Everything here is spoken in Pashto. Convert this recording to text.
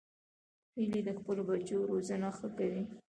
هیلۍ د خپلو بچو روزنه ښه کوي